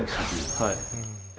はい。